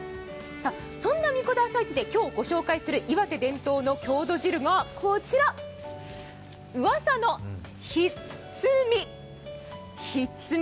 そんな神子田朝市で今日ご紹介する岩手伝統の郷土汁が、こちら噂のひっつみ。